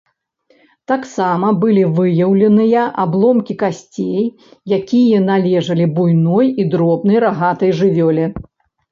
Таксама былі выяўленыя абломкі касцей, якія належалі буйной і дробнай рагатай жывёле.